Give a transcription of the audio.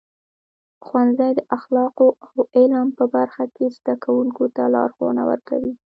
ښوونځي د اخلاقو او علم په برخه کې زده کوونکو ته لارښونه ورکوي.